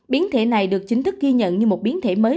biến thể này được chính thức ghi nhận như một biến thể mới